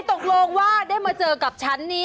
ตกลงว่าได้มาเจอกับฉันนี้